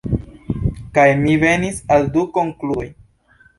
Kaj mi venis al du konkludoj.